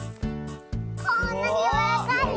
こんなにやわらかいよ。